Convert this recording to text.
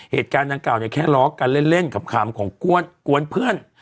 เหตุการณ์ดังกล่าวเนี่ยแค่ล้อกันเล่นขำของกวนเพื่อน